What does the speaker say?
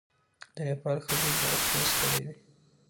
د نېپال ښځو به افسوس کړی وي.